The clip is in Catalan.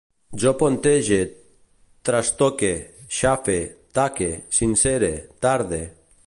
Jo ponentege, trastoque, xafe, taque, sincere, tarde